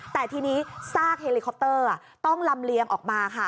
แต่ทีนี้ซากเฮลิคอปเตอร์ต้องลำเลียงออกมาค่ะ